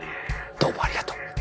どうもありがとう。